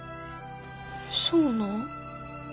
そうなん？